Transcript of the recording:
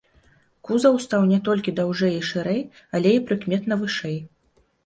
Кузаў стаў не толькі даўжэй і шырэй, але і прыкметна вышэй.